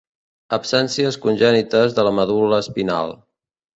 Absències congènites de la medul·la espinal.